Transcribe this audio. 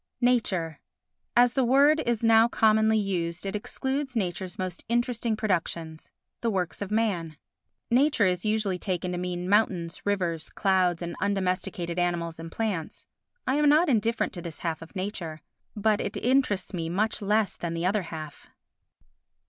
Nature As the word is now commonly used it excludes nature's most interesting productions—the works of man. Nature is usually taken to mean mountains, rivers, clouds and undomesticated animals and plants. I am not indifferent to this half of nature, but it interests me much less than the other half.